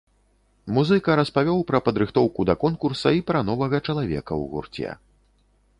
Музыка распавёў пра падрыхтоўку да конкурса і пра новага чалавека ў гурце.